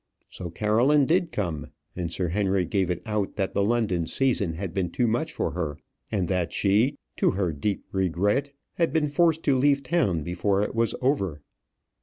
So Caroline did come; and Sir Henry gave it out that the London season had been too much for her, and that she, to her deep regret, had been forced to leave town before it was over.